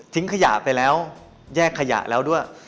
ขยะไปแล้วแยกขยะแล้วด้วย